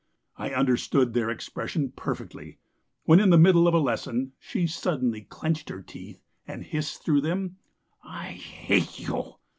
I understood their expression perfectly, when in the middle of a lesson she suddenly clenched her teeth and hissed through them: "'I hate you!